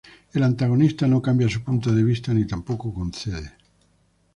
El antagonista no cambia su punto de vista, ni tampoco concede.